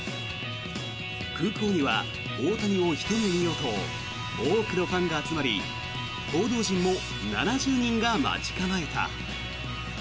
空港には大谷をひと目見ようと多くのファンが集まり報道陣も７０人が待ち構えた。